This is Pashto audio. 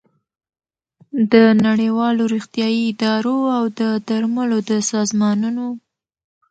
د نړیوالو روغتیايي ادارو او د درملو د سازمانونو